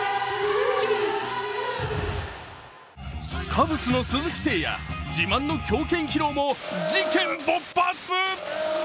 カブスの鈴木誠也、自慢の強肩披露も事件勃発。